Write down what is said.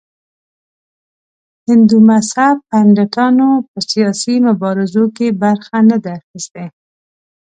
هندو مذهب پنډتانو په سیاسي مبارزو کې برخه نه ده اخیستې.